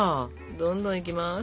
どんどんいきます。